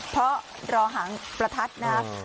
เพราะรอหางประทัดนะครับ